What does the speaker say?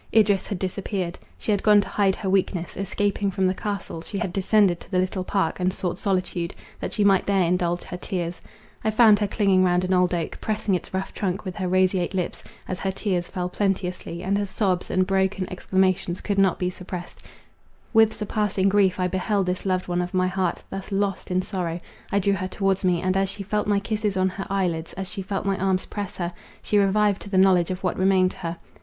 Idris had disappeared. She had gone to hide her weakness; escaping from the castle, she had descended to the little park, and sought solitude, that she might there indulge her tears; I found her clinging round an old oak, pressing its rough trunk with her roseate lips, as her tears fell plenteously, and her sobs and broken exclamations could not be suppressed; with surpassing grief I beheld this loved one of my heart thus lost in sorrow! I drew her towards me; and, as she felt my kisses on her eyelids, as she felt my arms press her, she revived to the knowledge of what remained to her.